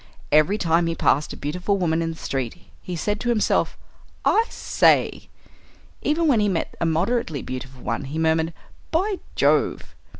Every time he passed a beautiful woman in the street he said to himself, "I say!" Even when he met a moderately beautiful one he murmured, "By Jove!"